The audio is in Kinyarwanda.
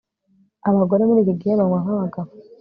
Abagore muri iki gihe banywa nkabagabo